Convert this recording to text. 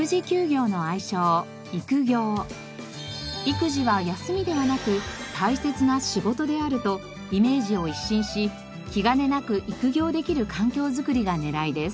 育児は休みではなく大切な仕事であるとイメージを一新し気兼ねなく育業できる環境づくりが狙いです。